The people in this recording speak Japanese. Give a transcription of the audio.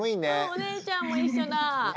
お姉ちゃんも一緒だ。